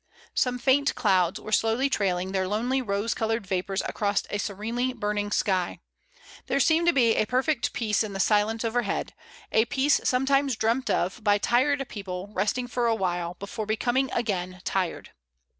Some faint clouds were slowly trailing their lonely rose coloured vapours across a serenely burning sky. There seemed to be perfect peace in the silence overhead: a peace sometimes dreamt of by tired people resting for a while before becoming again tired.